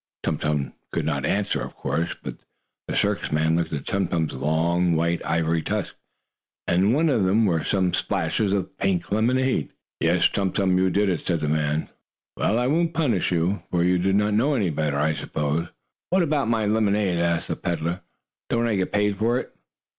Tum Tum could not answer, of course. But the circus man looked at Tum Tum's long, white ivory tusks, and on one of them were some splashes of pink lemonade. "Yes, Tum Tum, you did it," said the man. "Well, I won't punish you, for you did not know any better, I suppose." "But what about my lemonade?" asked the peddler. "Don't I get paid for it?"